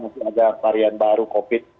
masih ada varian baru covid